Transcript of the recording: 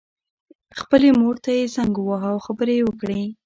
خپلې مور ته یې زنګ وواهه او خبرې یې وکړې